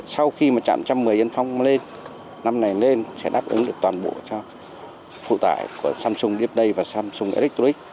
sau khi trạm trạm một mươi yên phong lên năm này lên sẽ đáp ứng được toàn bộ cho phụ tải của samsung deeplay và samsung electric